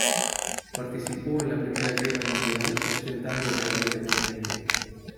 Participó en la Primera Guerra Mundial ostentando el grado de teniente.